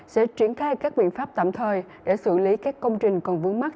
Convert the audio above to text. sẽ triển khai các biện pháp tạm thời để xử lý các công trình còn vướng mắt